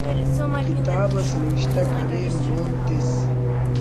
کتاب اس نوشتہ کرے مون تس